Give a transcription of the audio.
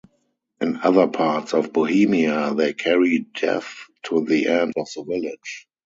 In other parts of Bohemia they carry Death to the end of the village.